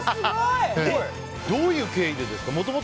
どういう経緯でですか？